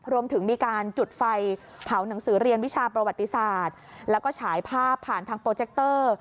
รวมถึงมีการจุดไฟเผาหนังสือเรียนวิชาประวัติศาสตร์แล้วก็ฉายภาพผ่านทางโปรเจคเตอร์